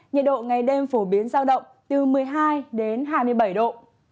nhiệt độ ngày đêm phổ biến giao động từ một mươi hai đến hai mươi bảy độ